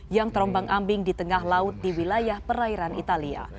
yang terombang ambing di tengah laut di wilayah perairan italia